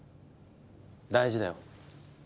大事だよ。